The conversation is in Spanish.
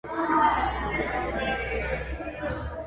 Sobrevino en el Perú una crisis sucesoria.